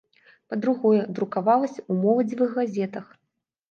Па-другое, друкавалася ў моладзевых газетах.